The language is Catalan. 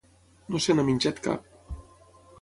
No se n'ha menjat cap